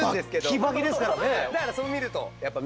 バッキバキですからね。